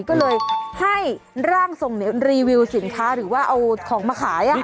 ก็เลยให้ร่างทรงรีวิวสินค้าหรือว่าเอาของมาขาย